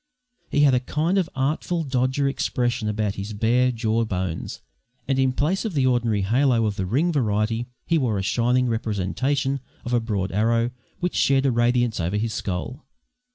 He had a kind of Artful Dodger expression about his bare jaw bones, and in place of the ordinary halo of the ring variety, he wore a shining representation of a broad arrow which shed a radiance over his skull.